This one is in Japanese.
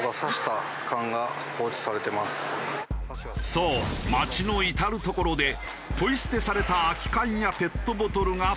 そう街の至る所でポイ捨てされた空き缶やペットボトルが散乱。